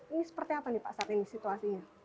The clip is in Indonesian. ini seperti apa nih pak saat ini situasinya